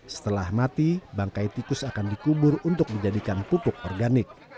setelah mati bangkai tikus akan dikubur untuk dijadikan pupuk organik